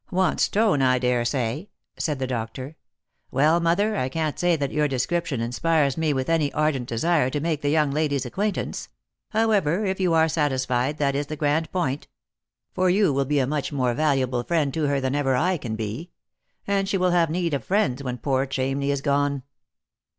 " Wants tone, I daresay," said the doctor. " Well, mother, I can't say that your description inspires me with any ardent desire to make the young lady's acquaintance. However, if you are satisfied that is the grand point; for you will be a niuoii Lost for Love. 17 more valuable friend to her than ever I can be. And she will have need of friends when poor Chamney is gone.''